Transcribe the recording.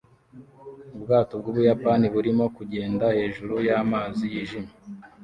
Ubwato bw'Ubuyapani burimo kugenda hejuru y'amazi yijimye